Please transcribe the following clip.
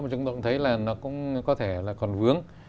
mà chúng tôi cũng thấy là nó cũng có thể là còn vướng